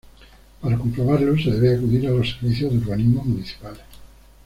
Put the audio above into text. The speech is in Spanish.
Para comprobarlo se debe acudir a los servicios de urbanismo municipales.